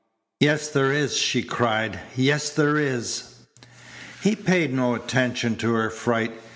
"Yes, there is," she cried. "Yes, there is." He paid no attention to her fright.